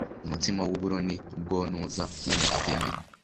umutsima w'uburo. ni bwo ntuza nyine abyemeye